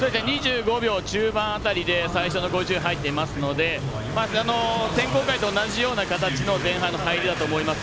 ２５秒中盤辺りで最初の５０入っていますので選考会と同じような形の入りだと思います。